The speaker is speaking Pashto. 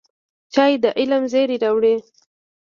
چای د علم زېری راوړي